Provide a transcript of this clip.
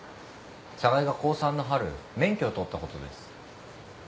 寒河江が高３の春免許を取ったことです。